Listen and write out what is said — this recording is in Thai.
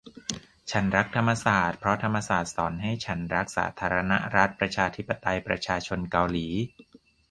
ฉันรักธรรมศาสตร์ เพราะธรรมศาสตร์สอนให้ฉันรักสาธารณรัฐประชาธิปไตยประชาชนเกาหลี